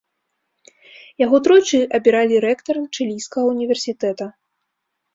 Яго тройчы абіралі рэктарам чылійскага універсітэта.